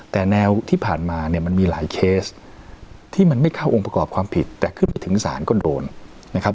แต่แนวที่ผ่านมาเนี่ยมันมีหลายเคสที่มันไม่เข้าองค์ประกอบความผิดแต่ขึ้นไปถึงศาลก็โดนนะครับ